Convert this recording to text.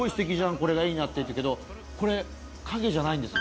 これがいいなって言ったけどこれ影じゃないんですよ